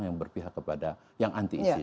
yang berpihak kepada yang anti islam